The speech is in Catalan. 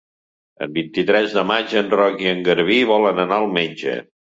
El vint-i-tres de maig en Roc i en Garbí volen anar al metge.